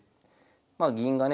まあ銀がね